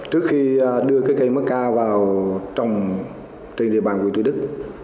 trước khi đưa cây macca vào trong tỉnh địa bàn quyền tư đức